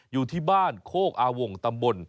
อยู่ที่บ้านโคกอาวงตำบล